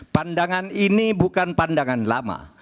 pandangan ini bukan pandangan lama